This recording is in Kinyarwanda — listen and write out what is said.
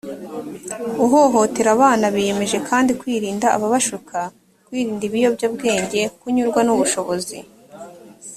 uhohotera abana biyemeje kandi kwirinda ababashuka kwirinda ibiyobyabwenge kunyurwa n ubushobozi